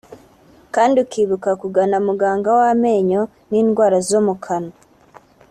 kandi ukibuka kugana muganga w’amenyo n’indwara zo mu kanwa